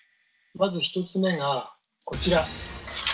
まず１つ目がこちら。